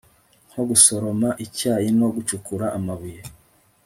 nko gusoroma icyayi no gucukura amabuye